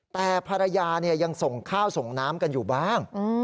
แต่ภรรยายังส่งข้าวส่งน้ำกันอยู่บ้าง